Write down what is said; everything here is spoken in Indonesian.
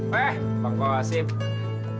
wah bang ko asyik